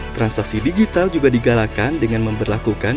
transaksi digital juga digalakan dengan memperlakukan